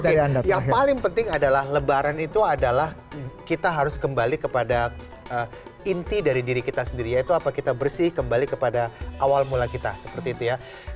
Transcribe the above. tapi yang paling penting adalah lebaran itu adalah kita harus kembali kepada inti dari diri kita sendiri yaitu apa kita bersih kembali kepada awal mula kita seperti itu ya